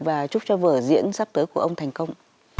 và chúc cho vở diễn sắp tới của ông thành công